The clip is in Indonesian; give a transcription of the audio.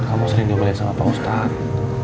kamu sering ngebelit sama pak ustadz